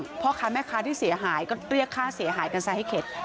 ต้องเอาเรื่องพ่อค่ะแม่ค่ะที่เสียหายก็เรียกค่าเสียหายกันซะให้เข็ด